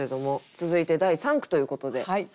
続いて第三句ということではい。